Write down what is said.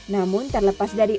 namun terlepas dari